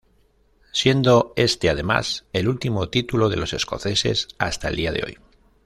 Siendo este además el último título de los escoceses, hasta el día de hoy.